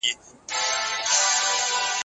سرو کرویات د اکسیجن لېږد مهمه برخه ده.